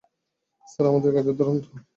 Sir, আমাদের কাজের ধরণ তো জানেন।